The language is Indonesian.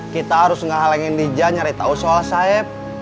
kita harus ngehalengin dija nyari tahu soal saeb